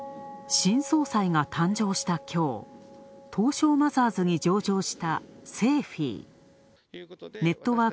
新総裁が誕生したきょう、東証マザーズに上場した、セーフィー。